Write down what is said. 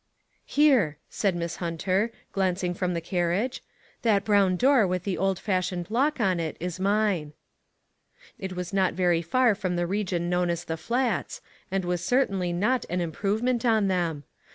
" Here," said Miss Hunter, glancing from the carriage; "that brown door with an old fashioned lock on it is mine." It was not very far from the region known HEDGED IN. as the Flats, and was certainly not an im provement on them.